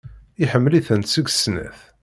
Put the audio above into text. Iḥemmel-itent deg snat.